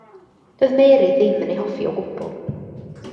Doedd Mary ddim yn ei hoffi o gwbl.